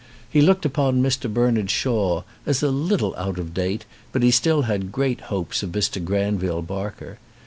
He looked upon Mr. Bernard Shaw as a little out of date, but he had still great hopes of Mr. Gran ville Barker.